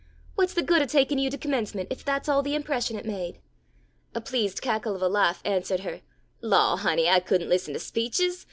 What's the good of taking you to Commencement, if that's all the impression it made?" A pleased cackle of a laugh answered her. "Law, honey, I couldn't listen to speeches!